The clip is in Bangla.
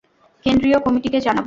কেন্দ্রীয় কমিটিকে জানাবো?